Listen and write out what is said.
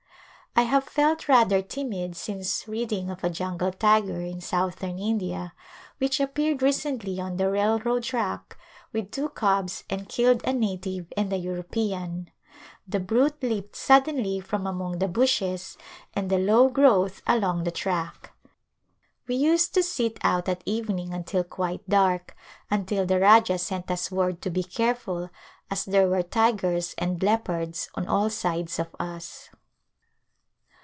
I have felt rather timid since read ing of a jungle tiger in Southern India which appeared A Gliynpse of India recently on the railroad track with two cubs and killed a native and a European. The brute leaped suddenly from among the bushes and the low growth along the track. We used to sit out at evening until quite dark, un til the Rajah sent us word to be careful as there were tigers and leopards on all sides of us.